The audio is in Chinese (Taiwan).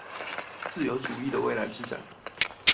自由主義的未來之戰